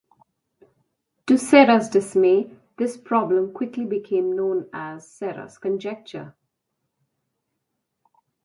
To Serre's dismay, this problem quickly became known as Serre's conjecture.